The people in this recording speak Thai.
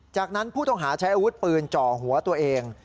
จากนั้นผู้ต้องหาใช้อาวุธปืนจ่อหัวตัวเอง